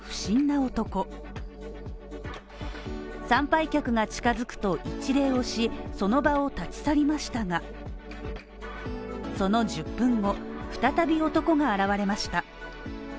参拝客が近づくと一礼をし、その場を立ち去りましたがその１０分後、再び男が現れました。